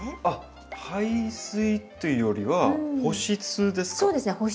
あっ排水っていうよりは保湿ですか？